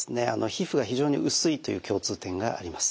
皮膚が非常に薄いという共通点があります。